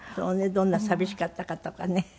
どんなに寂しかったかとかね。